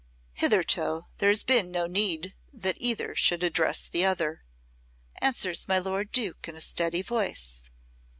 "Hitherto there has been no need that either should address the other," answers my lord Duke in a steady voice.